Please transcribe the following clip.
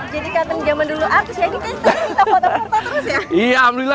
jadi kata zaman dulu artis ya kita minta foto foto terus ya